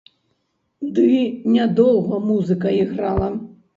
Ды нядоўга музыка іграла.